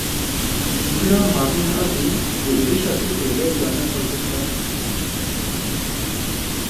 Cigîra Mazlûm Ebdî di êrîşa Tirkiyê de canê xwe ji dest da.